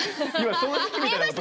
見えました？